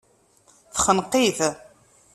Texneq-it.